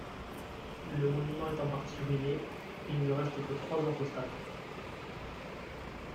Le monument est en partie ruiné, il ne reste que trois orthostates.